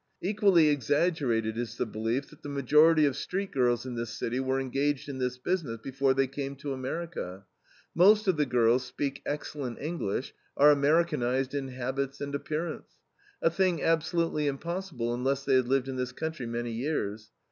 Equally exaggerated is the belief that the majority of street girls in this city were engaged in this business before they came to America. Most of the girls speak excellent English, are Americanized in habits and appearance, a thing absolutely impossible unless they had lived in this country many years.